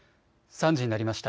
３時になりました。